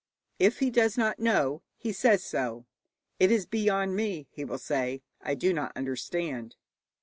If he does not know, he says so. 'It is beyond me,' he will say; 'I do not understand.'